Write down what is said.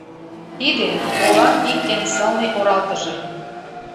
Тиде — олан ик эн сылне оралтыже.